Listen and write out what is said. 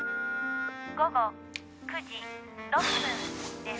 「午後９時６分です」